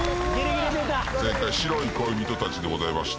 正解『白い恋人達』でございました。